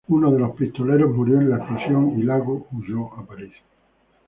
Uno de los pistoleros murió en la explosión y Lago huyó a París.